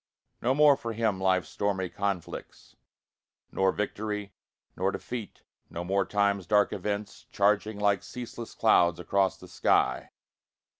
No more for him life's stormy conflicts, Nor victory, nor defeat no more time's dark events, Charging like ceaseless clouds across the sky.